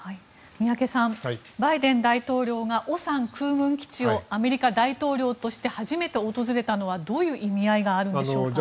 宮家さんバイデン大統領がオサン空軍基地をアメリカ大統領として初めて訪れたのはどういう意味合いがあるんでしょうか。